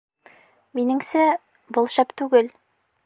Минеңсә, был шәп түгел.